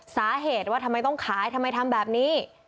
สาเหตุว่าทำไมต้องขายทำไมทำแบบนี้